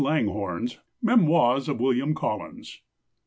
Langhorne's Memoirs of William Collins.